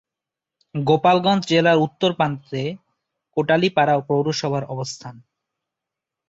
গোপালগঞ্জ জেলার উত্তর প্রান্তে কোটালীপাড়া পৌরসভার অবস্থান।